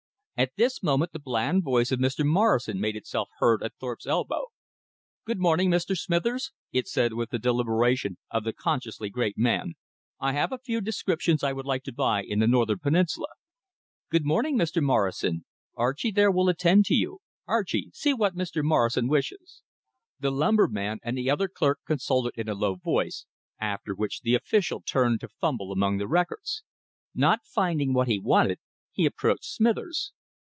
At this moment the bland voice of Mr. Morrison made itself heard at Thorpe's elbow. "Good morning, Mr. Smithers," it said with the deliberation of the consciously great man. "I have a few descriptions I would like to buy in the northern peninsula." "Good morning, Mr. Morrison. Archie there will attend to you. Archie, see what Mr. Morrison wishes." The lumberman and the other clerk consulted in a low voice, after which the official turned to fumble among the records. Not finding what he wanted, he approached Smithers.